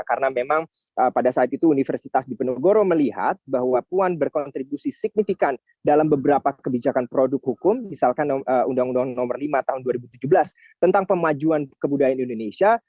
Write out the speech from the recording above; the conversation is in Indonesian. karena memang pada saat itu universitas dipenegoro melihat bahwa puan berkontribusi signifikan dalam beberapa kebijakan produk hukum misalkan undang undang nomor lima tahun dua ribu tujuh belas tentang pemajuan kebudayaan di indonesia